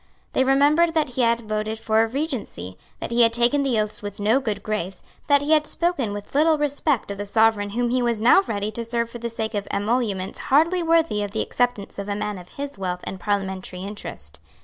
They remembered that he had voted for a Regency, that he had taken the oaths with no good grace, that he had spoken with little respect of the Sovereign whom he was now ready to serve for the sake of emoluments hardly worthy of the acceptance of a man of his wealth and parliamentary interest.